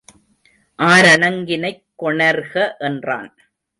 ஆரணங்கினைக் கொணர்க என்றான்.